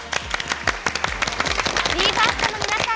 ＢＥ：ＦＩＲＳＴの皆さん